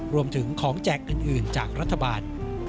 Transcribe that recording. รวมถึงของแจกอื่นจากรัฐบาล